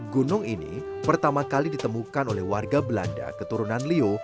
gunung ini pertama kali ditemukan oleh warga belanda keturunan leo